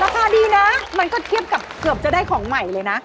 ราคาดีนะมันก็เกือบจะได้ของใหม่เลยนะ